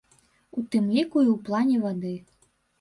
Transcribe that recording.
У тым ліку і ў плане вады.